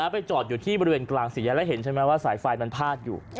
ไปจอดอยู่ที่บริเวณกลางสี่แยกแล้วเห็นใช่ไหมว่าสายไฟมันพาดอยู่